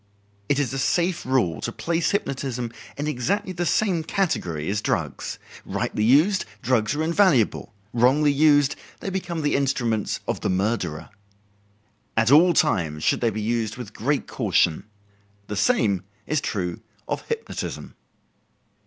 It is a safe rule to place hypnotism in exactly the same category as drugs. Rightly used, drugs are invaluable; wrongly used, they become the instruments of the murderer. At all times should they be used with great caution. The same is true of hypnotism.